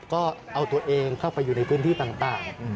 ก็เอาตัวเองเข้าไปอยู่ในพื้นที่ต่าง